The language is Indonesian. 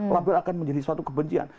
label akan menjadi suatu kebencian